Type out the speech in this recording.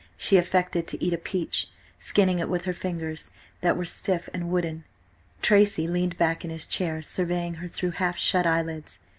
She affected to eat a peach, skinning it with fingers that were stiff and wooden. Tracy leaned back in his chair, surveying her through half shut eyelids.